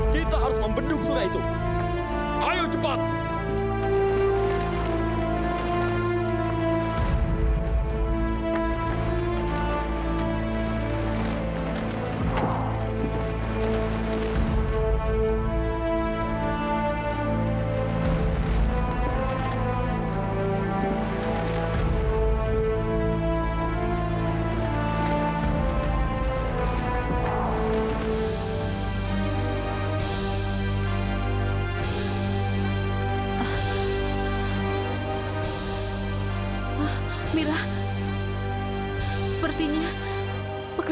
kita harus membendung sungai itu